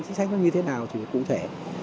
chính sách nó như thế nào thì cụ thể